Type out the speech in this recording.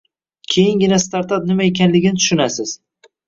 Keyingina startup nima ekanligini tushunasiz.